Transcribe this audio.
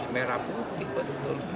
merah putih betul